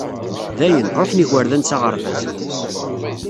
Dayen, ruḥen igerdan s aɣerbaz.